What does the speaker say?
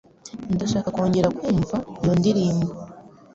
Ndashaka kongera kumva iyo ndirimbo.